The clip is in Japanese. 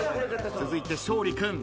続いて勝利君。